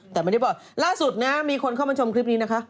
แต่ไม่ได้บอกล่าสุดนะมีคนเข้ามาชมคลิปนี้นะคะ